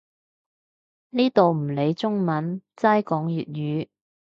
呢度唔理中文，齋講粵語